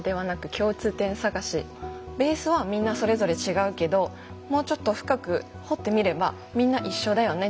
ベースはみんなそれぞれ違うけどもうちょっと深く掘ってみればみんな一緒だよね。